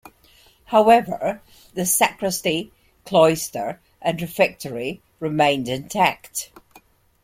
However, the sacristy, cloister, and refectory remained intact.